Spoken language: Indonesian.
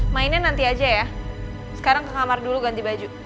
mainnya nanti aja ya sekarang ke kamar dulu ganti baju